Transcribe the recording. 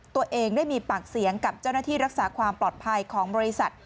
ตัวเองได้มีปากเสียงกับเจ้าหน้าที่รักษาความปลอดภัยของบริษัท